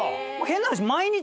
変な話。